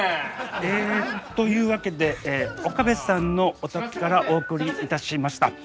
ええというわけで岡部さんのお宅からお送りいたしました。